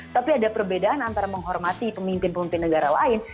tapi ada perbedaan antara menghormati pemimpin pemimpin negara lain